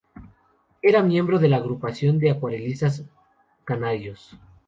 Era miembro de la Agrupación de Acuarelistas Canarios.